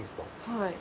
はい。